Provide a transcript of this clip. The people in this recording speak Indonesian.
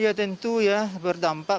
iya tentu ya berdampak